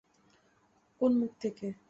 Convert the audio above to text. কোন মুখ থেকে?